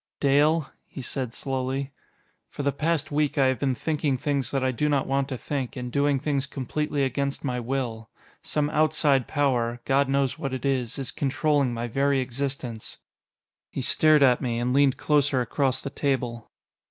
"Dale," he said slowly, "for the past week I have been thinking things that I do not want to think and doing things completely against my will. Some outside power God knows what it is is controlling my very existence." He stared at me, and leaned closer across the table.